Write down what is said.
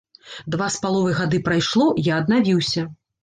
Два з паловай гады прайшло, я аднавіўся.